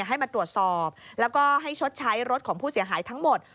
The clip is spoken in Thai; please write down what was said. ให้มาตรวจสอบแล้วก็ให้ชดใช้รถของผู้เสียหายทั้งหมด